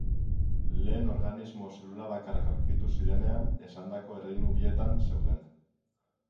Lehen organismo zelulabakarrak aurkitu zirenean, esandako erreinu bietan zeuden.